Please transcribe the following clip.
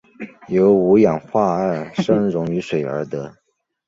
由五氧化二砷溶于水而得。